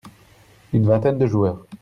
Une vingtaine de joueurs.